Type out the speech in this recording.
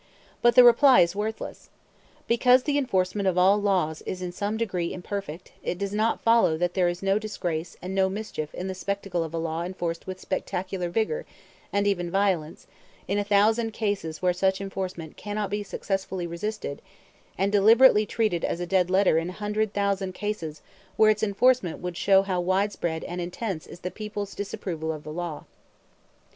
But the reply is worthless. Because the enforcement of all laws is in some degree imperfect, it does not follow that there is no disgrace and no mischief in the spectacle of a law enforced with spectacular vigor, and even violence, in a thousand cases where such enforcement cannot be successfully resisted, and deliberately treated as a dead letter in a hundred thousand cases where its enforcement would show how widespread and intense is the people's disapproval of the law.